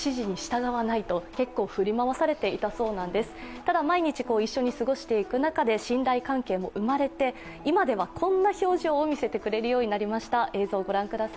ただ、毎日一緒に過ごしていく中で信頼関係も生まれて今ではこんな表情を見せてくれるようになりました。